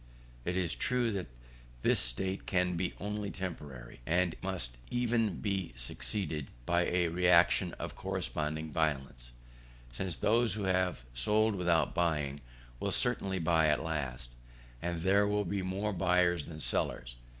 It is true that this state can be only temporary, and must even be succeeded by a reaction of corresponding violence, since those who have sold without buying will certainly buy at last, and there will then be more buyers than sellers.